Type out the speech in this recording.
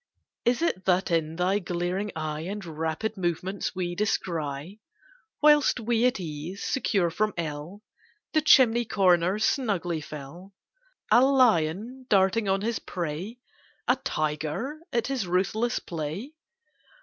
Is it that in thy glaring eye And rapid movements we descry Whilst we at ease, secure from ill, The chimney corner snugly fill A lion darting on his prey, A tiger at his ruthless play?